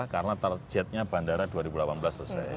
karena targetnya bandara dua ribu delapan belas selesai